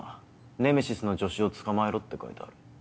ネメシスの助手を捕まえろって書いてある。